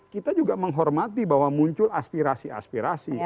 kita juga menghormati bahwa muncul aspirasi aspirasi